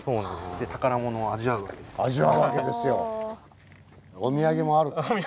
で宝物を味わうわけです。